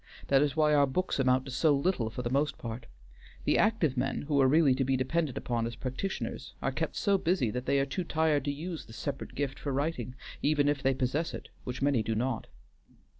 "That is why our books amount to so little for the most part. The active men, who are really to be depended upon as practitioners, are kept so busy that they are too tired to use the separate gift for writing, even if they possess it, which many do not.